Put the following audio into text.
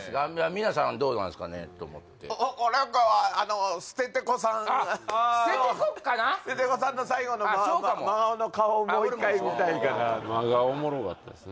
皆さんどうなんですかねと思ってあのステテコかなステテコさんの最後の真顔の顔をもう一回見たいかな真顔おもろかったですね